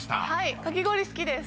かき氷好きです。